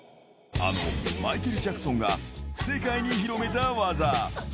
あのマイケル・ジャクソンが世界に広めた技。